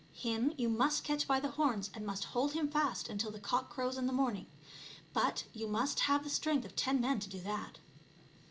Him you must catch by the horns and must hold him fast until the cock crows in the morning. But you must have the strength of ten men to do that."